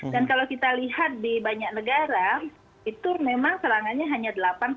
dan kalau kita lihat di banyak negara itu memang serangannya hanya delapan sampai sekitar empat belas minggu